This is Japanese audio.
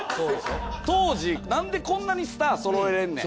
当時なんでこんなにスターそろえられんねん。